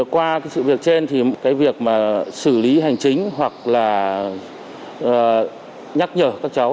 qua sự việc trên việc xử lý hành chính hoặc nhắc nhở các cháu